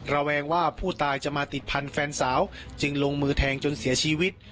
ระแวงว่าผู้ตายจะมาติดพันธุ์แฟนสาวจึงลงมือแทงจนเสียชีวิต